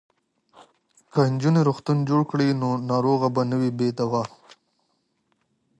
که نجونې روغتون جوړ کړي نو ناروغ به نه وي بې دواه.